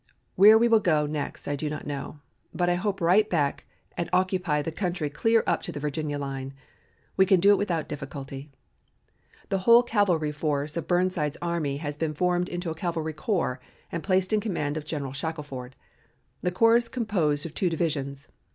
Where we will go next I do not know, but I hope right back and occupy the country clear up to the Virginia line. We can do it without difficulty. "The whole cavalry force of Burnside's army has been formed into a cavalry corps and placed in command of General Shackelford. The corps is composed of two divisions.